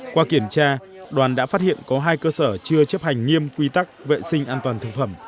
qua kiểm tra đoàn đã phát hiện có hai cơ sở chưa chấp hành nghiêm quy tắc vệ sinh an toàn thực phẩm